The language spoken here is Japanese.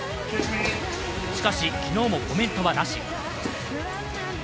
しかし、昨日もコメントはなし。